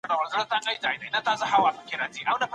دروني ځواک مو پیدا کړئ.